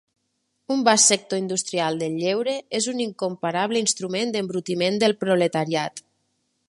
Un vast sector industrial del lleure és un incomparable instrument d'embrutiment del proletariat.